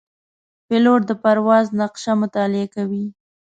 پیلوټ د پرواز نقشه مطالعه کوي.